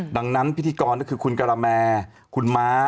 ดังนั้นพิธีกรก็คือคุณกะละแมคุณม้า